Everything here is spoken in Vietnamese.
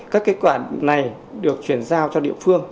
các kịch bản này được chuyển giao cho địa phương